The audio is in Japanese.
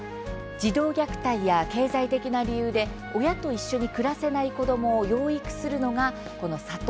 児童虐待や経済的な理由で親と一緒に暮らせない子どもを養育するのがこの里親です。